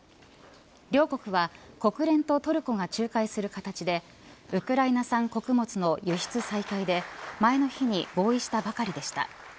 両国は国連とトルコが仲介する形でウクライナ産穀物の輸出再開で前の日に合意したばかりでした。